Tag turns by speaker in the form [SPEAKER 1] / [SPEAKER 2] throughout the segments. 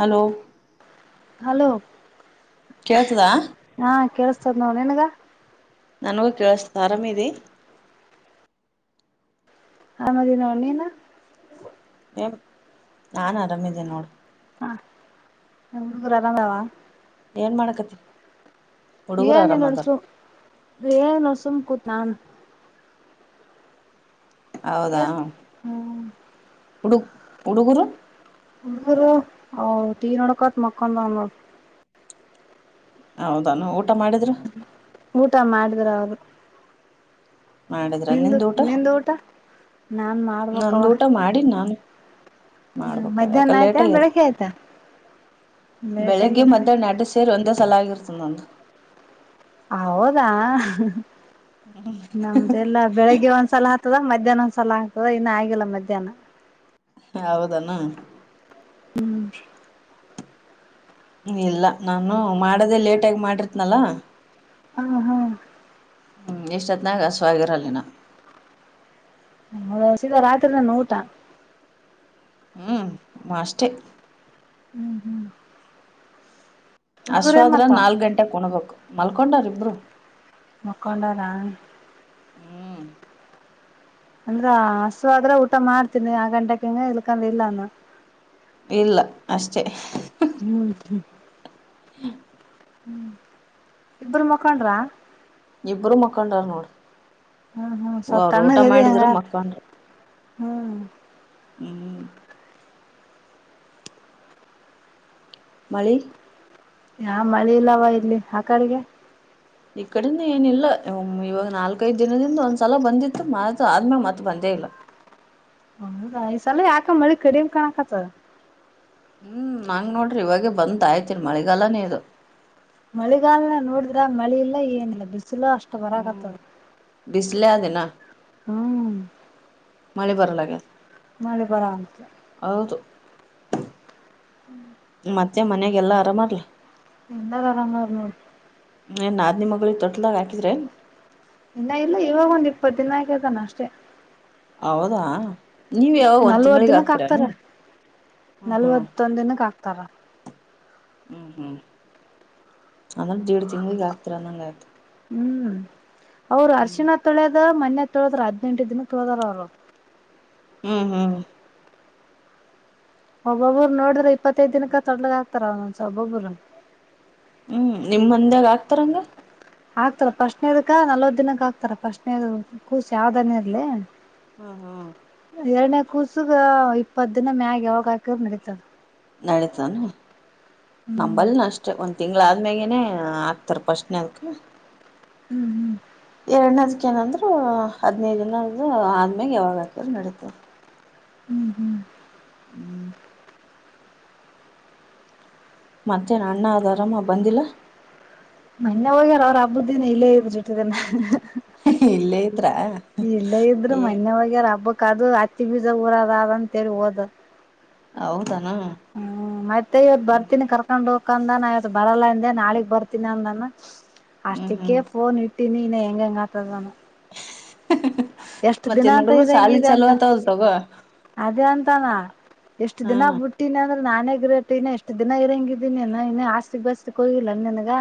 [SPEAKER 1] Hello
[SPEAKER 2] hello
[SPEAKER 1] ಕೇಳ್ತುದ
[SPEAKER 2] [unintelligible] ನಿನಗ
[SPEAKER 1] ನನಗೂ ಕೇಳಿಸ್ತದ, ಆರಾಮಿದಿ?
[SPEAKER 2] ಆರಾಮಾದಿನ, ನೀನು?
[SPEAKER 1] ನಾನ್ ಆರಾಮಿದ್ದೇನ
[SPEAKER 2] ಹ. ಎನ್ ಹುಡುಗುರ್ ಅರಾಮ್ ಆವಾ?
[SPEAKER 1] ಏನ್ ಮಡಾಕತ್ತಿ
[SPEAKER 2] ಏನಿಲ್ ನೋಡ್ ಸುಮ್ ಏನ ಸುಮ್ ಕುತ್ ನಾನ್ ಕೆಸ್ ಹ್ಮ್
[SPEAKER 1] ಹುಡುಗ್ ಹುಡುಗುರು
[SPEAKER 2] ಹುಡುಗೂರು ಅವ್ ಟಿವಿ ನೋಡೋಕೋತ್ ಮಕ್ಕೊಂಡವ್ ನೋಡ್
[SPEAKER 1] ಹೌದಾನ ಊಟ ಮಾಡಿದ್ರು
[SPEAKER 2] ಊಟ ಮಾಡಿದ್ರ ಅವ್ರು
[SPEAKER 1] ಮಾಡಿದ್ರ
[SPEAKER 2] ನಿಂದು
[SPEAKER 1] ನಿಂದ್ ಊಟ
[SPEAKER 2] ನಿಂದು ನಾನ್ ಮಾಡ್ಬೇಕವ
[SPEAKER 1] ನಂದ ಊಟ ಮಾಡಿನಿ ನಾನು ಮಾಡ್ಬೇಕಾ ಯಾಕ
[SPEAKER 2] ಮಧ್ಯಾಹ್ನ ಆಯ್ತಾ
[SPEAKER 1] ಲೇಟ್ ಆಗ್ಯದ
[SPEAKER 2] ಬೆಳಿಗ್ಗೆ ಆಯ್ತಾ ಲೇಟ್
[SPEAKER 1] ಬೆಳಿಗ್ಗೆ
[SPEAKER 2] ಆಗೈತಿ
[SPEAKER 1] ಮಧ್ಯಾಹ್ನ ಯಾಡ್ ಸೇರಿ ಒಂದಾ ಸಲಾಗಿರ್ತದ ನಂದು
[SPEAKER 2] ಹೌದಾ ಹ್ ಹ್ ನಮ್ದೆಲ್ಲಾ ಬೆಳಿಗ್ಗೆ ಒಂದ್ಸಲ ಆತ್ ಆಗ್ತದ ಮಧ್ಯಾಹ್ನ ಒಂದ್ ಸಲಾ ಆಗ್ತದ ಇನ್ ಆಗಿಲ್ಲಾ ಮಧ್ಯಾಹ್ನ
[SPEAKER 1] ಹೌದಾನ
[SPEAKER 2] ಹ್ಮ್
[SPEAKER 1] ಇಲ್ಲಾ ನಾನು ಮಾಡದೇ ಲೇಟಾಗಿ ಮಾಡಿರ್ತ್ನಾಲಾ
[SPEAKER 2] ಹ್ಮ ಹಾ
[SPEAKER 1] ಹ್ಮ್ ಹಿಸ್ಟೊತ್ತನಾಗ್ ಹಸವ್ ಆಗಿರಲ್ ಹಿನಾ
[SPEAKER 2] ಅಂದುರ್ ಸೀದಾ ರಾತ್ರಿನೇ ನಿಂದ್ ಊಟಾ
[SPEAKER 1] ಹ್ಮ್ ಮಾಷ್ಟೆ
[SPEAKER 2] ಹ್ಮ್ ಹ್ಮ್ ಹುಡುಗರೇ
[SPEAKER 1] ಹಶ್ವಾದ್ರ
[SPEAKER 2] ಮಾಡ್ತಾವ
[SPEAKER 1] ನಾಲ್ಕ ಗಂಟೆಕ ಊಣಬೇಕು ಮಲ್ಕೊಂಡಾರ ಇಬ್ರು
[SPEAKER 2] ಮಕ್ಕೊಂಡರಾ
[SPEAKER 1] ಹ್ಮ್
[SPEAKER 2] ಅಂದ್ರ ಹಸುವಾದ್ರಾ ಊಟ ಮಾಡ್ತಿದ್ನಿ ನಾಕಗಂಟೆಕ್ ತಿದ್ನಿ ಇಲ್ಕಂದ್ರ ಇಲ್ಲಾ ಅನ್ನೂ
[SPEAKER 1] ಇಲ್ಲ ಅಷ್ಟೇ
[SPEAKER 2] ಹೌದಾ
[SPEAKER 1] ಹ
[SPEAKER 2] ಹ್ಮ್ ಇಬ್ರು ಮಕೋಂಡ್ರಾ
[SPEAKER 1] ಇಬ್ರೂ ಮಕ್ಕಾಂಡರ ನೋಡ್
[SPEAKER 2] ಹ್ಮ್ ಹ್ಮ್ ಸ್ವಲ್ಪ ತಣ್ಣಗ ಅದಿ ಹಂಗ ಆರ್
[SPEAKER 1] ಮಕ್ಕೊಂಡ್ರ
[SPEAKER 2] ಹ್ಮ್
[SPEAKER 1] ಹ್ಮ್ ಮಳಿ
[SPEAKER 2] ಯಾ ಮಳಿ ಇಲ್ಲವಾ ಇಲ್ಲಿ ಆ ಕಡಗೆ
[SPEAKER 1] ಈ ಕಡಿನು ಎನ್ ಇಲ್ಲಾ ಒಮ್ಮೆ ಇವಾಗ ನಾಲ್ಕೈದ್ ದಿನದಿಂದ ಒಂದ್ಸಲ ಬಂದಿತ್ತು ಮತ್ ಅದು ಆದ್ಮ್ಯಾಲ್ ಮತ್ತ್ ಬಂದೇ ಇಲ್ಲ
[SPEAKER 2] ಹೌದ ಈಸಲ ಯಾಕ ಮಳಿ ಕಡಿಮ ಕಾಣಕತದ
[SPEAKER 1] ಹ್ಮ್ ಹಂಗ್ ನೋಡಿರ್ ಇವಾಗೆ ಬಂದ ಆಯ್ತ ಇನ್ ಮಳಿಗಾಲನೇ ಇದು
[SPEAKER 2] ಮಳಿಗಾಲನ ನೋಡಿದ್ರ ಮಳಿ ಇಲ್ಲ ಏನಿಲ್ಲ ಬಿಸಲಾ ಅಷ್ಟ ಬರಾಕತದ
[SPEAKER 1] ಬಿಸಲೇ ಆದ್ ಹಿನಾ
[SPEAKER 2] ಹ್ಮ್
[SPEAKER 1] ಮಳಿ ಬರಲಾಗ್ಯದ
[SPEAKER 2] ಮಳಿ ಬರಾಂತು
[SPEAKER 1] ಹೌದು
[SPEAKER 2] ಹ್ಮ್
[SPEAKER 1] ಮತ್ತೆ ಮನ್ಯಾಗಲ್ಲಾ ಆರಾಮ ಮಾಡ್ಲ
[SPEAKER 2] ಎಂತ ಕಾರರ
[SPEAKER 1] ಏ ನ ನಾದಿನಿ ಮಗಳಿಗೆ ತೊಟಲದಾಗ ಹಾಕಿದ್ರೇ
[SPEAKER 2] ಇನ್ನ ಇಲ್ಲ ಇವಾಗ ಒಂದ್ ಇಪ್ಪತ್ತು ದಿನ ಆಕತಾನ ಅಷ್ಟೇ
[SPEAKER 1] ಹೌದಾ ನೀವ ಯಾವ ಒಂದ
[SPEAKER 2] ನಲ್ವತ್
[SPEAKER 1] ತಿಂಗಳಿಗೆ
[SPEAKER 2] ದಿನಕ್
[SPEAKER 1] ಹಾಕ್ತೀರಾನ
[SPEAKER 2] ಹಾಕ್ತಾರ
[SPEAKER 1] ಹ ಹಾ
[SPEAKER 2] ತ್ತರ
[SPEAKER 1] ಹ್ಮ್ ಹ್ಮ್ ಅಂದ್ರ ದೇಡ್ ತಿಂಗಗಳಗ್ ಆಗ್ತರ ನಂಗ ಆಯ್ತು
[SPEAKER 2] ಹ್ಮ್ ಅವರು
[SPEAKER 1] ಹ್ಮ್
[SPEAKER 2] ಅರ್ಶಿವಾದ್ ತೊಳ್ಯದು ಮೊನ್ನೆ ತೊಳದ್ರ ಹದಿನೆಂಟು ದಿನ ತೊಳದ್ರ ಅವ್ರು
[SPEAKER 1] ಹ್ಮ್ ಹ್ಮ್
[SPEAKER 2] ಒಬ್ಬೊಬ್ಬರು ನೋಡ್ರಿದ್ರೆ ಇಪ್ಪತ್ತೈದ್ ದಿನಕ್ಕೆ ತೊಡ್ಲಗ್ ಆಗ್ತಾರ ಒಂಸ್ ಒಬ್ಬೊಬ್ಬರು
[SPEAKER 1] ಹ್ಮ್ ನಿಮ್ಮ ಮಂದಾಗ ಆಕ್ತಾರಂಗ
[SPEAKER 2] ಆಗ್ತಾರೆ ಪಶಟ್ನದಕ್ಕ ನಲ್ವತ್ ದಿನಕ್ಕೆ ಆಗ್ತಾರೆ ಪಶ್ನ ಕೂಸ ಯಾವ್ದಾನೇ ಇರ್ಲಿ
[SPEAKER 1] ಹ್ಮ ಹ್ಮ್
[SPEAKER 2] ಎರಡನೇ ಕೂಸುಗೆ ಇಪ್ಪತ್ತು ದಿನ ಮ್ಯಾಗೆ ಒೋಗ ಹಾಕಿದ ನಡೀತದ
[SPEAKER 1] ನಡತಾನ
[SPEAKER 2] ಹ್ಮ್
[SPEAKER 1] ನಂಬಲ್ ಅಷ್ಟೆ ಒಂದ್ ತಿಂಗ್ಳ ಆದ್ಮ್ಯಗೇನೆ ಹ ಆಗ್ತಾರ ಪಶ್ಣ್ ಅದಕ
[SPEAKER 2] ಹ್ಮ್ ಹ್ಮ್
[SPEAKER 1] ಎರಡ್ನದ್ಕ ಏನಂದ್ರು ಹದಿನೈದು ಆದ್ಮ್ಯಾಗ ಯಾವಾಗ ಹಾಕ್ಯ್ರ ನಡತವ
[SPEAKER 2] ಹ್ಮ್ ಹ್ಮ್
[SPEAKER 1] ಮತ್ತ್ಯಾಹ್ನ ಅಣ್ಣ ಅದು ಅರಾಮ ಬಂದಿಲ್ಲ
[SPEAKER 2] ಅಣ್ಣ ಹೋಗ್ಯಾರ ಅವ್ರ ಹಬ್ಬುದ್ದೇನ ಇಲ್ಲೇ ಇದ್ರು ಜಿಟ್ಟಿದನ
[SPEAKER 1] ಇಲ್ಲೇ ಇದ್ರ
[SPEAKER 2] ಇಲ್ಲೇ ಇದ್ರರು
[SPEAKER 1] ಏ
[SPEAKER 2] ಮೊನ್ನೆಹೋಗಾರ ಹಬ್ಬಕ್ ದು ಹತ್ತಿ ಬೀಜ ಊರದ ಅಂತೇಳಿ ಹೋದು
[SPEAKER 1] ಹೌ
[SPEAKER 2] ಹ್ಮ್ ಮತ್ತೆ ಇವ್ದ ಬರ್ತೀನಿ ಕರ್ಕೊಂಡು ಮುಖಂದಾನ ಆಯತ್ ಬರಲ್ಲಾಂದೆ ನಾಳಗ್ ಬರ್ತೀನಿ ಅಂದಾನ
[SPEAKER 1] ಹ್ಮ್
[SPEAKER 2] ಅಷ್ಟಕ್ಕೆ
[SPEAKER 1] ಹ್ಮ್
[SPEAKER 2] ಫೋನ್ ಇಟ್ಟ ತಿನನ ಎಂಂಗತದಾನ [unintelligible] ಎಷ್ಟ ದಿನ
[SPEAKER 1] ಮತ್ತೇನ್
[SPEAKER 2] ಅಂತ
[SPEAKER 1] ಹುಡುಗರು
[SPEAKER 2] ಇದಂಗ
[SPEAKER 1] ಸಾಲಿ
[SPEAKER 2] ಇದೆ
[SPEAKER 1] ಚಲೋ
[SPEAKER 2] ಅಂತ
[SPEAKER 1] ಆತವಲ್ ತಗೋ
[SPEAKER 2] ಅದೇ ಅಂತಾನ ಎಷ್ಟು
[SPEAKER 1] ಹಾ
[SPEAKER 2] ದಿನಗ್ಬ ಬಿಟ್ಟಿನ ನ ನಾನೇ ಗಿರಟ್ ಇನ್ನ ಎಷ್ಟು ದಿನ ಇರಂಗಿದ್ದೀನಿ ಇನ್ನ ಆಸ್ತಿ ಬಸ್ತಿಕ್ ಹೋಗಿಲ್ಲ ನೀನ್ಗ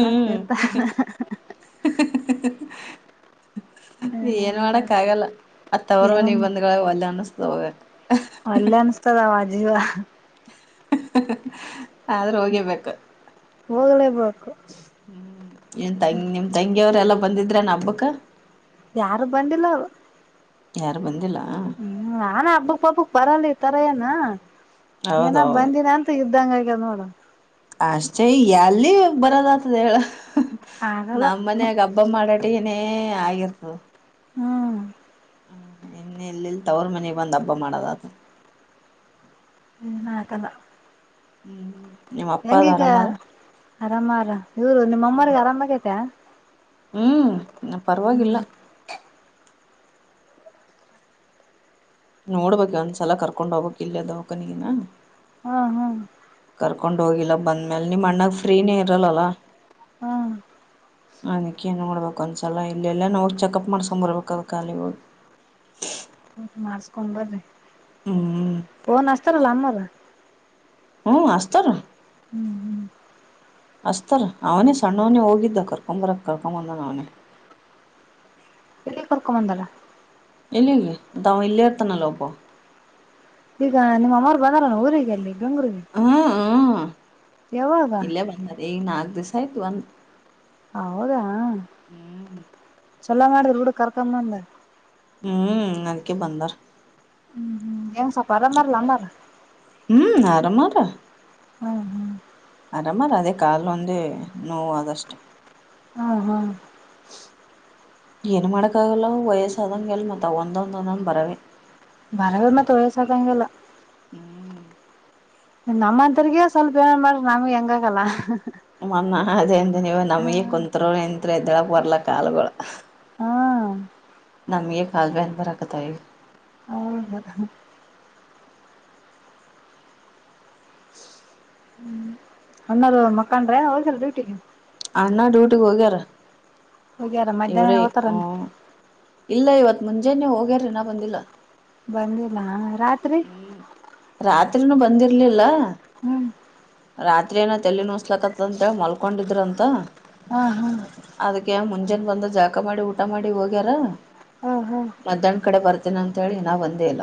[SPEAKER 2] ಹ ನಿರ್ತ
[SPEAKER 1] ಏನ್ ಮಾಡಕ್ ಆಗಲ್ಲ ಅ ತವರು
[SPEAKER 2] ಏನೋ
[SPEAKER 1] ಮನೆಗ್ ಬಂದ್ಗಳಾಗ ಒಲ್ಲ ಅನ್ನಸ್ದ ಹೋಗಕ್
[SPEAKER 2] ಇವ
[SPEAKER 1] [inaudible] ಆದ್ರೂ ಹೋಗಿರಬೇಕು
[SPEAKER 2] ಹೋಗಲೇಬೇಕು
[SPEAKER 1] ಹ್ಮ್ ನ್ ತಂಗಿ ನಿಮ ತಂಗಿಯವರೆಲ್ಲ ಬಂದಿದ್ರ ನ ಹಬ್ಬಕ್ಕೆ
[SPEAKER 2] ಯಾರು ಬಂದಿಲ್ಲ ಅವ್ರು
[SPEAKER 1] ಯಾರು ಬಂದಿಲ್ಲ
[SPEAKER 2] ಹ್ಮ್ ನಾನ ಹಬ್ಬಕ್ ಪಬ್ಬಕ್ ಬರಲಿ ತರ ಏನ ಏನ
[SPEAKER 1] ಹೌದೌದು
[SPEAKER 2] ಬಂದಿನ ಅಂತ ಇದ್ದಂಗ ನೋಡ್
[SPEAKER 1] ಅಷ್ಟೇ ಎಲ್ಲಿ ಬರೋದ ಆತದ ಹೇಳ
[SPEAKER 2] ಆಗಲ್ಲ
[SPEAKER 1] ನಮ್ಮ ಮನ್ಯಗ ಹಬ್ಬ ಮಾಡಾಟ ಏನೇ ಏ ಆಗಿರ್ತದೆ
[SPEAKER 2] ಹ್ಮ್
[SPEAKER 1] ಹ ಇನ್ನ ಇಲ್ಲಿಲ್ ತವ್ರ ಮನೆಗೆ ಬಂದ್ ಹಬ್ಬ ಮಾಡೋದ ಅದು
[SPEAKER 2] ನ ಕದ
[SPEAKER 1] ಹ್ಮ್ ನಿಮ್ ಅಪ್ಪ ಅದ
[SPEAKER 2] ಹೆಂಗೀಗ
[SPEAKER 1] ಆರಾಮಲ್ಲ
[SPEAKER 2] ಆರಾಮಾರ ಇವರು
[SPEAKER 1] ಹ್ಮ್
[SPEAKER 2] ನಿಮ್ಮಮ್ಮಗೆ ಆರಾಮ್ ಐತ?
[SPEAKER 1] ಹ್ಮ್
[SPEAKER 2] ಹ್ಮ್
[SPEAKER 1] ಪರವಾಗಿಲ್ಲ ನೋಡ್ಬಕ್ ಒಂದ್ಸಲ ಕರ್ಕೊಂಡ್ ಹೋಗ್ಕ್ ಇಲ್ಲ ಅದ ಅವಕನಗನ
[SPEAKER 2] ಹ್ಮ್ ಹ್ಮ್
[SPEAKER 1] ಕರ್ಕೊಂಡ್ ಹೋಗಿಲ್ಲ ಬಂದ್ಮೇಲೆ ನಿಮ್ ಅಣ್ಣಾಗ ಫ್ರೀನೇ ಇರಲ್ಲಲ್ಲ
[SPEAKER 2] ಹ್ಮ್
[SPEAKER 1] ಅದಕ್ಕೆ ನೋಡ್ಬೇಕು ಒಂದ್ಸಲ ಇಲ್ಲೆಲ್ಲಾನಾ ಚೆಕಪ್ ಮಾಡ್ಸ್ಕೊಂಬರ್ಬೇಕದ ಖಾಲಿ
[SPEAKER 2] ಹ ಮಾಡ್ಸ್ಕೋ ಬರ್ರಿ
[SPEAKER 1] ಹ್ಮ್
[SPEAKER 2] ಫನ್ತಾರ ಲಂಬ ಹಾ
[SPEAKER 1] ಹ್ಮ್ ಅಷ್ಟರ
[SPEAKER 2] ಹ್ಮ್ ಹ್ಮ್
[SPEAKER 1] ಅಸ್ತರ್ ಅವನೇ ಸಣ್ಣವನೇ ಹೋಗಿದ್ದ ಕರ್ಕೊ ಬರಕ್ ಕರ್ಕೊ ಬಂದಾನ ಅವನೇ
[SPEAKER 2] ಎಲ್ಲಿಗ್ ಕರ್ಕೋ ಬಂದಾರ
[SPEAKER 1] ಇಲ್ಲ ಇಲ್ಲ ಅದ ಅವ ಇಲ್ಲ ಇರ್ತಾನಲ್ಲ ಒಬ್ಬ
[SPEAKER 2] ಈಗ ನಿಮ್ಮ ಅಮ್ಮರು ಬಂದಾರಾನ ಊರಿಗೆ ಅಲ್ಲಿ [unintelligible]
[SPEAKER 1] ಹ
[SPEAKER 2] ಯಾವಾಗ
[SPEAKER 1] ಇಲ್ಲೇ ಬಂದಾರೆ ಈಗ ನಾಲ್ಕ್ ದಿಸ ಥೈಟ್ ಒನ್
[SPEAKER 2] ಹೌದ ಚಲ್ಲೋ ಮಾಡಿದ್ರರು ನೋಡ ಕರ್ಕೊಂಡ ಅವ್ನ
[SPEAKER 1] ಹ್ಮ್ ಅದಕೆ ಬಂದಾರ
[SPEAKER 2] ಹ್ಮ್ ಹ್ಮ್ ಎ ಸ್ವಲ್ಪ್ ಆರಾಮ್ ಹಾರಲ ಅಮ್ಮರ್
[SPEAKER 1] ಖಾ
[SPEAKER 2] ಹ್ಮ್ ಹ್ಮ್
[SPEAKER 1] ಆರಾಮ್ ಆದ ಅದೇ ಕಾಲ ಒಂದೇ ನೋವು ಅದಷ್ಟೇ
[SPEAKER 2] ಹ್ಮ ಹ್ಮ
[SPEAKER 1] ಏನು ಮಾಡಕ್ಕಾಗಲ ಅವು ವಯಸ್ಸಾದಂಗೆಲ್ ಮತ್ ಒಂದೊಂದೊಂದ ಬರವೆ
[SPEAKER 2] ಬರವೆ ಮತ್ ವಯಸಾಗಂಗೆಲ್ಲಾ
[SPEAKER 1] ಹ್ಮ್
[SPEAKER 2] ನಮ್ಮಂತೊರಿಗೆ ಸ್ವಲ್ಪ ಏನ ಮಾಡಿರ್ ನಮ್ಗೆ ಹೆಂಗಾಗಲ್ಲಾ
[SPEAKER 1] ಮನ್ ನಾ ಅದೆ ಅಂದ ಏನ್ ಯವಾ ನಮಗೆ ಕುಂತ್ರು ನಿಂತ್ರೂ ಎದ್ದಳಕ್ ಬರ್ಲ್ಲ ಕಾಲಗೋಳ್
[SPEAKER 2] ಹ್ಮ್
[SPEAKER 1] ನಮ್ಗೆ ಕಾಲ್ ಭ್ಯಾನ್ ಬರಕತಾವ್ ಇಗ್
[SPEAKER 2] ಹ್ಮ ಹ ಹ ಹಣ್ಣಾರ ಮಕ್ಕಾಂಡ್ರ ಎನ್ ಹೋಗ್ಯಾರ್ ಡ್ಯೂಟಿಗಿ
[SPEAKER 1] ಅಣ್ಣ ಡ್ಯೂಟಿಗ್ ಹೋಗ್ಯಾರ್
[SPEAKER 2] ಹೋಗ್ಯಾರ್ ಮಧ್ಯಾಹ್ನನ ಹೊತ್ತಾರ್ ಎನ್
[SPEAKER 1] ಇಲ್ಲ ಇವತ್ ಮುಂಜಾನೆ ಹೋಗ್ಯಾರ ಹಿನಾ ಬಂದಿಲ್ಲ
[SPEAKER 2] ಬಂದಿಲ್ಲಾ
[SPEAKER 1] ಹ್ಮ್ ರಾತ್ ರಾತ್ರಿನು ಬಂದಿರ್ಲಿಲ
[SPEAKER 2] ಹ್ಮ್
[SPEAKER 1] ಆ ರಾತ್ರಿ ಏನೊ ತಲೆ ನೋಸಲಕತದ ಅಂತ್ ಹೇಳ್ ಮಲ್ಕೊಂಡಿದ್ರಂತ ಅ
[SPEAKER 2] ಹ್ಮ ಹ್ಮ್
[SPEAKER 1] ಅದಿಕ್ಕೆ ಮುಂಜಾನ ಬಂದ ಜಳಕ ಮಾಡಿ ಊಟಾ ಮಾಡಿ ಹೋಗ್ಯಾರ
[SPEAKER 2] ಹ ಹಾ
[SPEAKER 1] ಮಧ್ಯಾನ ಕಡೆ ಬರ್ತೀನಿ ಅಂತ ಹೇಳಿ ಹಿನಾ ಬಂದೇ ಇಲ್ಲ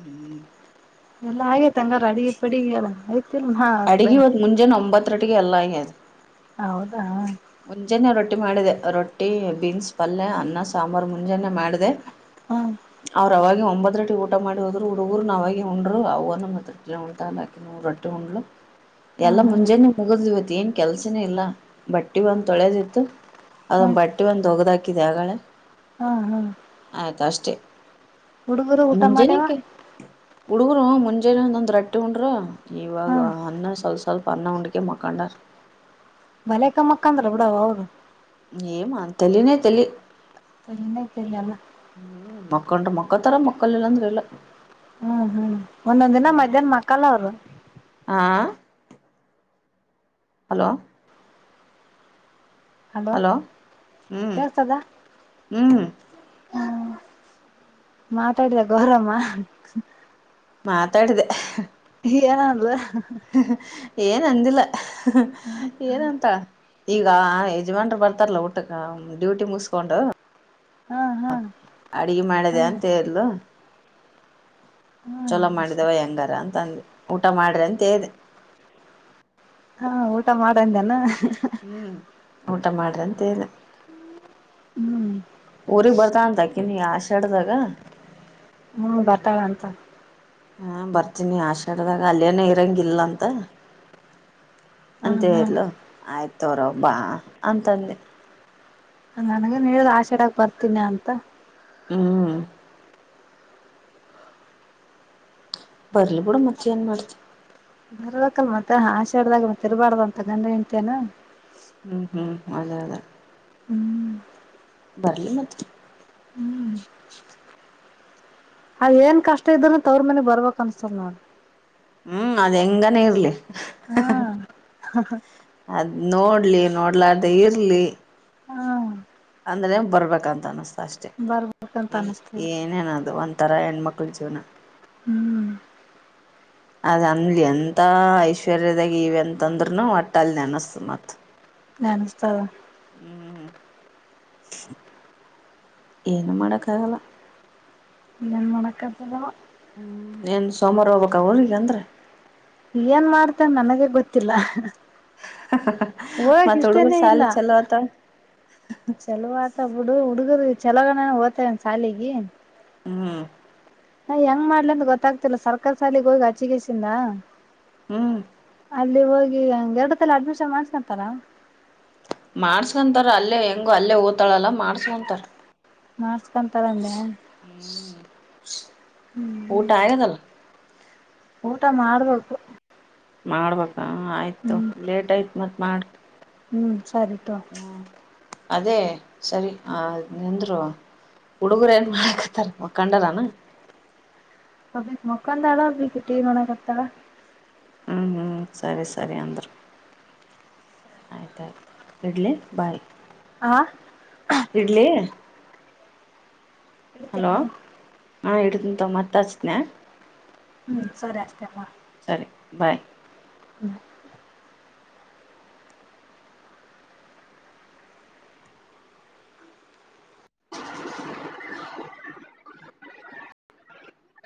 [SPEAKER 1] ಹ್ಮ್
[SPEAKER 2] ಎಲ್ಲ ಆಗೈತ ಹಂಗರ ಅಡಿಗಿ ಪಡಿಗಿ ಎಲ್ಲಾ
[SPEAKER 1] ಅಡಿಗಿ ಇವತ್ ಮುಂಜಾನ ಒಂಬತ್ ಹತ್ರಟಿಗೆ ಏಲ್ಲಾ ಆಗ್ಯದ
[SPEAKER 2] ಹೌದಾ
[SPEAKER 1] ಮುಂಜಾನೆ ರೊಟ್ಟಿ ಮಾಡಿದೆ ರೊಟ್ಟಿ ಬೀನ್ಸ್ ಪಲ್ಯ ಅನ್ನಾ ಸಾಂಬರ್ ಮುಂಜಾನೆ ಮಾಡದೆ
[SPEAKER 2] ಹಾ
[SPEAKER 1] ಅವ್ರ ಅವಾಗೆ ಒಂಬತ್ರ್ ಆಟಿಗೆ ಊಟಾ ಮಾಡಿ ಹೋದ್ರು ಹುಡುಗುರುನು ಅವಾಗೆ ಉಂಡ್ರು ಅವ್ವಾನು ಮತ್ ರೊಟ್ಟಿನೆ ಉಣತಾ ಅಂದ್ ಆಕಿನು ರೊಟ್ಟಿ ಉಂಡ್ಲು
[SPEAKER 2] ಹಾ
[SPEAKER 1] ಎಲ್ಲಾ ಮುಂಜಾನೆ ಮುಗುದ್ ಇವತ್ ಏನ್ ಕೆಲ್ಸನೇ ಇಲ್ಲ ಬಟ್ ಬಟ್ಟಿ ಒಂದ್ ತೊಳೆದಿತ್ತು
[SPEAKER 2] ಹಾ
[SPEAKER 1] ಅದೊಂದು ಬಟ್ಟೆ ಒಂದ ಒಗದ ಹಾಕಿದೆ ಆಗಳೆ
[SPEAKER 2] ಹ್ಮ ಹಾ
[SPEAKER 1] ಆಯ್ತ ಅಷ್ಟೇ
[SPEAKER 2] ಹುಡುಗುರು ಊಟಾ ಮಾಡ್ಯವಾ
[SPEAKER 1] ಹುಡುಗುರ್ ಹ್ಮ್ ಮುಂಜಾನೆ ಒಂದೊಂದ ರೊಟ್ಟಿ ಉಂಡ್ರು
[SPEAKER 2] ಹಾ
[SPEAKER 1] ಇವಾಗ ಅನ್ನಾ ಸ್ವಲ್ಪ ಸ್ವಲ್ಪ ಅನ್ನಾ ಉಂಡಕೆ ಮಕಂಡಾರ
[SPEAKER 2] ಬಾಲೆಕಾ ಮಕಂಡರ್ ಬಿಡವಾ ಅವ್ರು
[SPEAKER 1] ಏಮ ತಲಿನೇ ತಲಿ
[SPEAKER 2] ತಲಿನೆ ತಲಿ ಅಲ್
[SPEAKER 1] ಹ್ಮ್ ಮಕ್ಕಂಡ್ರಾ ಮಕ್ಕೋತರ ಮಕ್ಕಲಿಲ್ ಅಂದ್ರ ಇಲ್ಲ
[SPEAKER 2] ಹ್ಮ್ ಹ್ಮ್ ಒಂದೊಂದ್ ದಿನ
[SPEAKER 1] ಹ್ಮ್
[SPEAKER 2] ಮಧ್ಯಾಹ್ನ ಮಕ್ಕಲ್ಲ ಅವ್ರು
[SPEAKER 1] ಹಾ ಹಲೋ ಹಲೋ ಹ್ಮ್
[SPEAKER 2] ಕೇಳ್ತದ
[SPEAKER 1] ಹ್ಮ್
[SPEAKER 2] ಮಾತಾಡಿದ ಗೌರಮ್ಮ
[SPEAKER 1] ಮಾತಾಡ್ದ
[SPEAKER 2] ಇ ಎನಂದಲೂ
[SPEAKER 1] ಹ [inaudible] ಏನ ಅಂದಿಲ್ಲ ಏನಂತ ಈಗ ಯಜಮನ್ರು ಬರ್ತಾರಲ್ಲ ಊಟಕ್ಕೆ ಡ್ಯೂಟಿ ಮುಗಿಸಕೊಂಡು
[SPEAKER 2] ಹಾ ಹಾ ಹಾ
[SPEAKER 1] ಅಡಿಗಿಮಾಡಿದೆ ಅಂತ ಹೇಳಿದ್ಲು ಚಲೋ ಮಾಡಿದವ ಹೆಂಗಾರ ಅಂತ ಅಂದ ಊಟ ಮಾಡ್ರಿ ಅಂತ ಹೇಳ್ದೆ
[SPEAKER 2] ಹ ಊಟ ಮಾಡಂದೇನ
[SPEAKER 1] ಹ್ಮ್ ಊಟ ಮಾಡ್ರಿ ಅಂತ ಹೇಳ
[SPEAKER 2] ಹ್ಮ್
[SPEAKER 1] ಊರಿಗ್ ಬರ್ತಳ ಅಂತಾಕಿನುಆಶಾಡ್ದಾಗ
[SPEAKER 2] ಹ್ಞೂ ಬರ್ತಳ ಅಂತ
[SPEAKER 1] ಹಾ ಬರ್ತೀನಿ ಆಶಾಡದಾಗ ಅಲ್ಲಿಯನ ಇರಂಗಿಲ್ಲ ಅಂತ ಅಂತ
[SPEAKER 2] ಹ್ಮ್ ಹ್ಮ್
[SPEAKER 1] ಹೇಳಿದ್ಲುಆಯ್ತತೊಗರವ ಬಾ ಅಂತಂದೆ
[SPEAKER 2] ನನಗನಹೇಳಿಳಆಶೆಡಕ್ ಬರ್ತೀನಿ ಅಂತ
[SPEAKER 1] ಹ್ಮ್ ಬರ್ಲಿ ಬುಡು ಮತ್ತೆ ಏನ್ ಮಾಡ್ತಿ
[SPEAKER 2] ಬರಬೆಕಲ್ ಮತ್ತೆ ಆಾಶೆಡ್ದಾಗ ಮತ್ತಇರಬಾರ್ದ ಅಂತ ಗಂಡ ಹೆಂಡತಿ ಎನು
[SPEAKER 1] ಹ್ಮ್ ಹ್ಮ್ ಅದೇಅದೇ
[SPEAKER 2] ಹ್ಮ್
[SPEAKER 1] ಬರ್ಲಿ ಮತ್ತ
[SPEAKER 2] ಆ ಏನ್ ಕಷ್ಟ ಇದ್ದ್ರ ತವ್ರ ಮನೆಗ್ ಬರ್ಬೇಕ್ ಅನ್ಸತ ನೋಡು
[SPEAKER 1] ಹ್ಮ್ ಅದಂಗನಇರ್ಲಿ
[SPEAKER 2] ಹಾ
[SPEAKER 1] ಅದ್ ನೋಡ ನಡ್ಲಿ ನೋಡ್ಲಾದ ಇರ್ಲಿ [unintelligible]
[SPEAKER 2] ಹಾ
[SPEAKER 1] ಅಂದ್ರೆ ಬರ್ಬೇಕಂತ ಅನಸ್ತದ ಅಷ್ಟೆ
[SPEAKER 2] ಬರ್ಬೇಕಂತ ಅನಸ್ತದ
[SPEAKER 1] ಏನೇನದು ಒಂಥರ ಹೆಣ್ಮಕ್ಳ ಕ ಕೊಳ ಜನ [unintelligible]
[SPEAKER 2] ಹ್ಮ್
[SPEAKER 1] ಅದನ್ಲಿ ಎಂತ ಐಶ್ವರ್ಯದಾಗ ಇವೆ ಅಂತಂದ್ರನು ಒಟ್ಟಲ್ಲಿ ನೆನಸ್ತದಮತ್
[SPEAKER 2] ನೆನಸ್ತದ
[SPEAKER 1] ಹ್ಮ್ ಏನು ಮಾಡಕ್ಕ ಆಗಲ್ಲ
[SPEAKER 2] ವಣಕದಲ್ಲ [unintelligible]
[SPEAKER 1] ಹ್ಮ್ ಏನ್ ಸೋಮಾರ ಹೋಗ್ಬಕ್ಕ ಹ ಊರಿಗೆ ಅಂದ್ರ
[SPEAKER 2] ಏನ್ ಮಾಡ್ತೆನನನಗೆ ಗೊತ್ತಿಲ್ಲ ಹೋಗಕ್
[SPEAKER 1] ಮತಹುಡುಗುರ
[SPEAKER 2] ಇಷ್ಟನೇ ಇಲ್ಲ
[SPEAKER 1] ಸಾಲಿ ಚಲುಆತವ
[SPEAKER 2] ಚಲೋ ಆತ ಬಿಡು ಹುಡುಗರು ಚಲಗಣ ಓ್ತನ್ ಸಾಲಿಗೆ [unintelligible]
[SPEAKER 1] ಹ್ಮ್
[SPEAKER 2] ನಾ ಹೆಂಗ್ ಮಾಡ್ಲಿಅಂತ ಗೊತ್ತಾಗ್ತಿಲ್ಲ ಸರ್ಕಾರಿ ಸಾಲಿಗೆ ಹೋಗಿ ಅಚ್ಚಿಗೆಸಿಂದ
[SPEAKER 1] ಹ್ಮ್
[SPEAKER 2] ಅಲ್ಲಿ ಹೋಗಿ ಹೇದಕಅಲಿಅಡ್ಮಿಷನ್ ಮಾಡ್ಸಗಂತರ
[SPEAKER 1] ಮಾಡ್ಸ್ಕೊಂತಾರ ಅಲ್ಲೇ ಹೆಂಗು ಅಲ್ಲೇ ಓತಾಳಲ್ಲ ಮಾಡ್ಸ್ಕೊಂತಾರ
[SPEAKER 2] ಮಾಡಸ್ಕೊಂತಾರಂದ
[SPEAKER 1] ಹ್ಮ್ ಊಟ ಆಗದಲ್ಲ
[SPEAKER 2] ಊಟ ಮಾಡ್ಬೇಕು
[SPEAKER 1] ಮಾಡ್ಬಾಕ ಹ ಆಯ್ತು
[SPEAKER 2] ಹ್ಮ್
[SPEAKER 1] ಲೇಟ್ ಆಯ್ತು ಮತ್ತ ಮಾಡು
[SPEAKER 2] ಹ್ಮ್ ಸರಿ ತೊ
[SPEAKER 1] ಅದೇ ಸರಿ ಆ ನಿಂದ್ರು ಹುಡುಗರು ಏನ್ ಮಾಡಕತ್ತಾರ ಮಖಂಡರನ
[SPEAKER 2] ಒಬ್ಬಾಕಿ ಮಕೊಂಡಾಳ ಒಬ್ಬಕಿ ಟಿವಿ ನೋಡಾಕತ್ತಾಳ
[SPEAKER 1] ಹ್ಮ್ ಹ್ಮ್ ಸರಿ ಸರಿ ಅಂದ್ರ ಆಯ್ತಾಯ್ತು ಇಡ್ಲಿ ಬಾಯಿ
[SPEAKER 2] ಆ
[SPEAKER 1] ಇಡ್ಲಿ ಹಲೋ
[SPEAKER 2] ಬಿಡತ್ತೇನ
[SPEAKER 1] ಹಾ ಇಡತೇನ್ ತೊ ಮತ್ತ ಹಚ್ಚತೇನ
[SPEAKER 2] ಹ್ಞ ಸರಿ ಅಷ್ಟೇ ಮಾಡು
[SPEAKER 1] ಸರಿ ಬಾಯ್
[SPEAKER 2] ಹ್ಮ